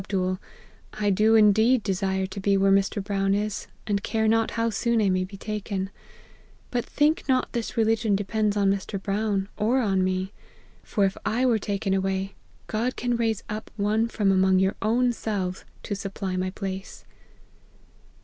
McL ' I do, indeed, desire to be where Mr. Brown is, and care not how soon I may be taken : but think not this religion depends on Mr. Brown, or on me : for if I were taken away, God can raise up one from among your own selves, to supply my place.'